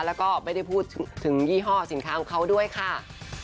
แล้วก็ไม่ได้พูดถึงยี่ห้อสินค้าของเขาด้วยค่ะ